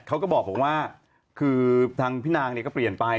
เขาก็บอกว่าคือทางพี่นางเนี่ยก็เปลี่ยนไป